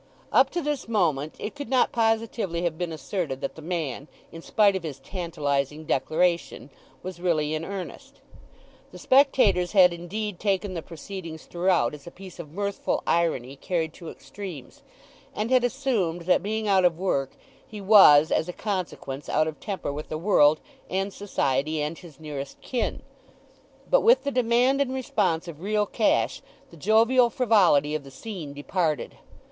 Up to this moment it could not positively have been asserted that the man, in spite of his tantalizing declaration, was really in earnest. The spectators had indeed taken the proceedings throughout as a piece of mirthful irony carried to extremes; and had assumed that, being out of work, he was, as a consequence, out of temper with the world, and society, and his nearest kin. But with the demand and response of real cash the jovial frivolity of the scene departed.